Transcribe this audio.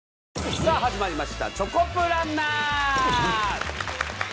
さあ始まりました『チョコプランナー』。